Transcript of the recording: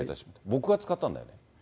僕が使ったんだ。